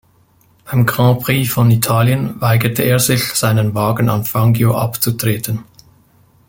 Beim Grand Prix von Italien weigerte er sich, seinen Wagen an Fangio abzutreten.